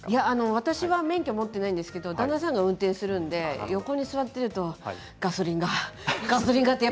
私は免許を持っていないんですけれども、旦那さんが運転するので横に座っているとガソリンがって。